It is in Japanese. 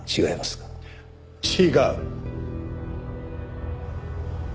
違う。